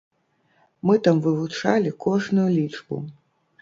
Мы там вывучалі кожную лічбу.